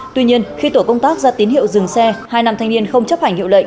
tuy nhiên khi tổ công tác ra tín hiệu dừng xe hai nam thanh niên không chấp hành hiệu lệnh